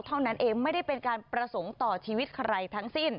เท่านั้นเองไม่ได้เป็นการประสงค์ต่อชีวิตใครทั้งสิ้น